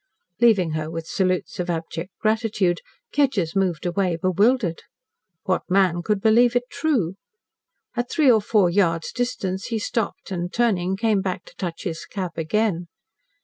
Leaving her with salutes of abject gratitude, Kedgers moved away bewildered. What man could believe it true? At three or four yards' distance he stopped and, turning, came back to touch his cap again.